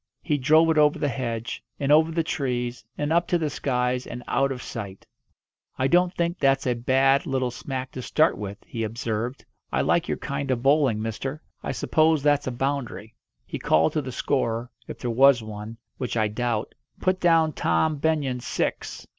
He drove it over the hedge, and over the trees, and up to the skies, and out of sight. "I don't think that's a bad little smack to start with," he observed. "I like your kind of bowling, mister. I suppose that's a boundary." He called to the scorer if there was one, which I doubt "Put down Tom Benyon six!"